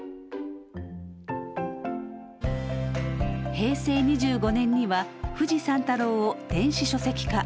平成２５年には「フジ三太郎」を電子書籍化。